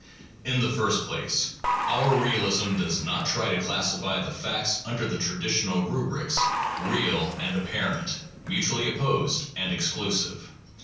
In the first place, our realism does not try to classify the facts under the traditional rubrics 'real' and 'apparent,' mutually opposed and exclusive.